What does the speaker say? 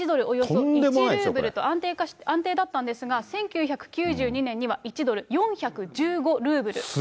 およそ１ルーブルと安定だったんですが、１９９２年には１ドル４１５ルーブル。